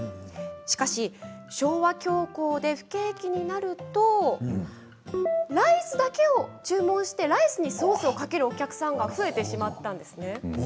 しかし昭和恐慌で不景気になるとライスだけを注文してライスにソースをかけるお客さんが増えてしまったんですね。